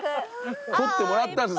取ってもらったんです